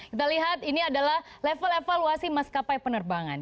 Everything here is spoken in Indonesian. kita lihat ini adalah level evaluasi maskapai penerbangan